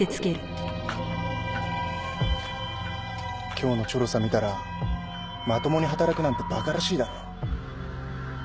今日のチョロさ見たらまともに働くなんて馬鹿らしいだろ。